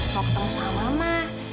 mau ketemu sama mama